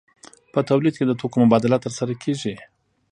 په تولید کې د توکو مبادله ترسره کیږي.